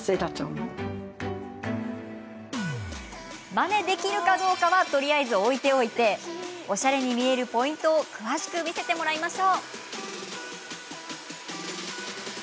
まねできるかどうかはとりあえず置いておいておしゃれに見えるポイントを詳しく見せてもらいましょう。